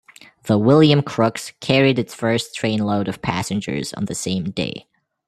The "William Crooks" carried its first train load of passengers on the same day.